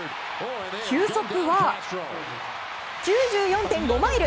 球速は９４．５マイル。